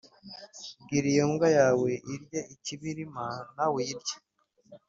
bwira iyo mbwa yawe irye ikibirima, nawe uyirye